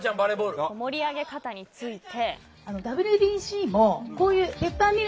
盛り上げ方について。